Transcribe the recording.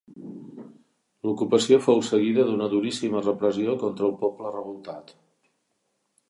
L'ocupació fou seguida d'una duríssima repressió contra el poble revoltat.